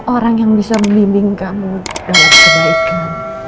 orang yang bisa membimbing kamu dalam kebaikan